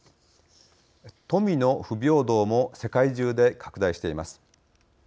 富の不平等も世界中で拡大しています。